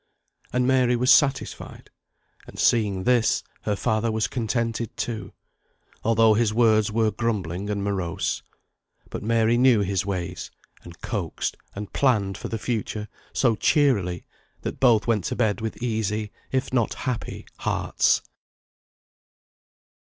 And Mary was satisfied; and seeing this, her father was contented too, although his words were grumbling and morose; but Mary knew his ways, and coaxed and planned for the future so cheerily, that both went to bed with easy if not happy hearts.